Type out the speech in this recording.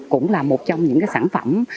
cũng là một trong những sản phẩm